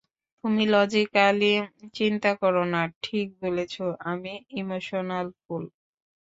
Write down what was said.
তুমি লজিকালি চিন্তা করোনা -ঠিক বলেছো, আমি ইমোশনাল ফুল।